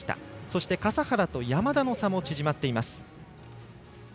そして、笠原と山田の差も縮まっています。